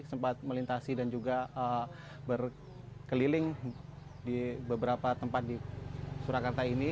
sempat melintasi dan juga berkeliling di beberapa tempat di surakarta ini